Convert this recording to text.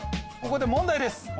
ここで問題です。